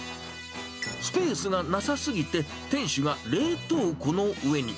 スペースがなさすぎて、店主が冷凍庫の上に。